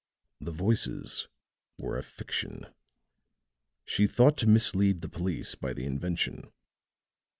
"The voices were a fiction. She thought to mislead the police by the invention.